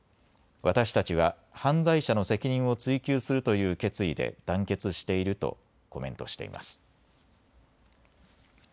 私たちは犯罪者の責任を追及するという決意で団結しているとコメントしています。